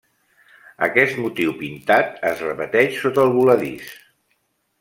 Aquest motiu, pintat, es repeteix sota el voladís.